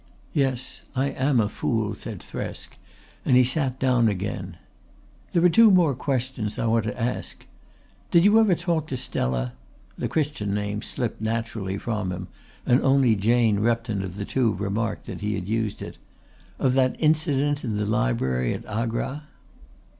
"Yes. I am a fool," said Thresk, and he sat down again. "There are two more questions I want to ask. Did you ever talk to Stella" the Christian name slipped naturally from him and only Jane Repton of the two remarked that he had used it "of that incident in the library at Agra?"